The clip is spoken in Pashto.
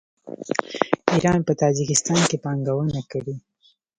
ایران په تاجکستان کې پانګونه کړې.